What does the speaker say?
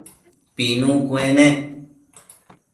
Pinu cuenec